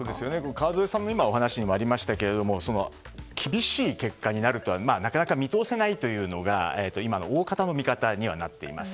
川連さんの話にもありましたけれども厳しい結果になるとなかなか見通せないというのが今の大方の見方にはなっています。